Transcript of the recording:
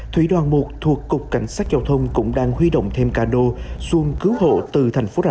thủy đoàn một thuộc cục cảnh sát giao thông cũng đang huy động thêm cano xuông cứu hộ từ thành phố rà nẵng vào khu vực cửa đại để phối hợp tìm kiếm